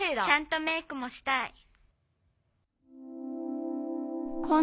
「ちゃんとメークもしたい」。